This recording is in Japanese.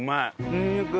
にんにく。